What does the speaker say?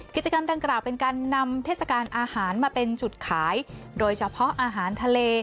กิจกรรมดังกล่าวเป็นการนำเทศกาลอาหารมาเป็นจุดขายโดยเฉพาะอาหารทะเล